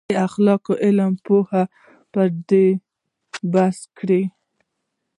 د اخلاقو علم پوهانو پر دې بحث کړی دی.